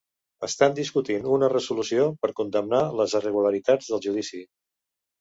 Estan discutint una resolució per condemnar les irregularitats del judici.